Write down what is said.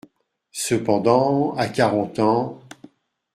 Cependant, à quarante ans…